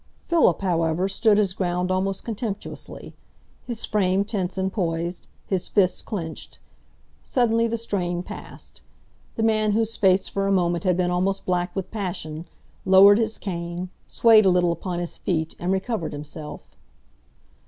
Philip, however, stood his ground almost contemptuously, his frame tense and poised, his fists clenched. Suddenly the strain passed. The man whose face for a moment had been almost black with passion, lowered his cane, swayed a little upon his feet, and recovered himself.